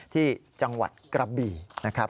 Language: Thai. ที่จังหวัดกระบี่นะครับ